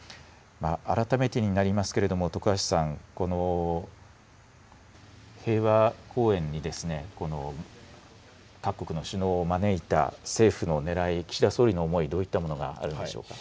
改めてになりますけれども、徳橋さん、平和公園にこの各国の首脳を招いた政府のねらい、岸田総理の思い、どういったものがあるんでしょうか。